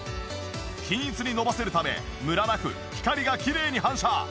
均一にのばせるためムラなく光がきれいに反射。